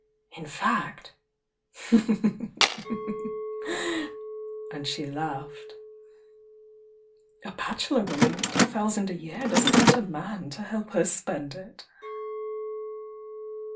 — in fact" — and she laughed^— "a bachelor woman with two thousand a year doesn't want a man to help her to spend it!"